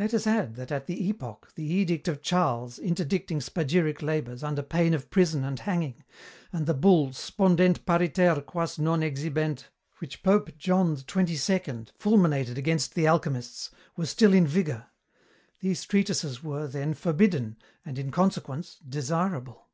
Let us add that at that epoch the edict of Charles interdicting spagyric labours under pain of prison and hanging, and the bull, Spondent pariter quas non exhibent, which Pope John XXII fulminated against the alchemists, were still in vigour. These treatises were, then, forbidden, and in consequence desirable.